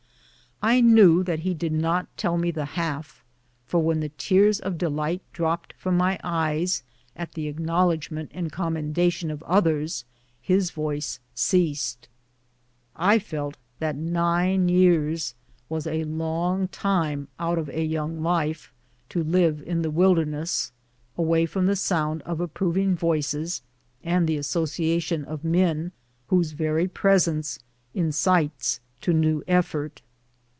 I knew that he did not tell me the half, for when the tears of delight dropped from my eyes at the acknowledgment and commendation of others his voice ceased. I felt that nine years was a long time out of a young life to live in the wilderness, away from the sound of approving voices, and the association of men whose very presence incites to new effort.